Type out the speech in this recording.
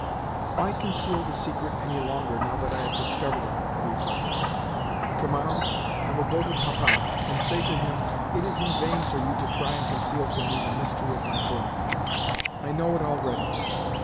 "Why conceal the secret any longer, now that I have discovered it?" I reflected. "To morrow I will go to Papa and say to him, 'It is in vain for you to try and conceal from me the mystery of my birth. I know it already.